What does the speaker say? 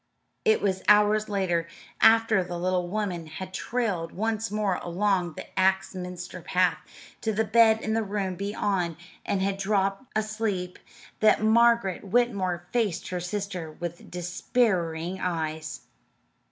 It was hours later, after the little woman had trailed once more along the Axminster path to the bed in the room beyond and had dropped asleep, that Margaret Whitmore faced her sister with despairing eyes.